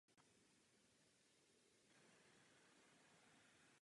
Otec byl novinářem a matka pocházela z rolnické rodiny.